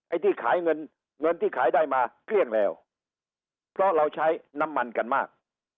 ที่ขายเงินเงินที่ขายได้มาเกลี้ยงแล้วเพราะเราใช้น้ำมันกันมาก